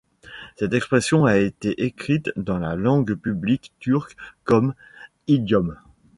Cette expression a été écrite dans la langue publique turque comme idiome.